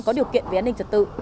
có điều kiện về an ninh trật tự